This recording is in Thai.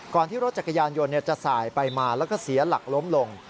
ที่รถจักรยานยนต์จะสายไปมาแล้วก็เสียหลักล้มลง